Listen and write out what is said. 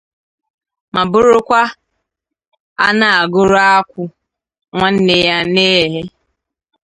ma bụrụkwa a na-agụrụ akwụ nwanne ya a na-eghe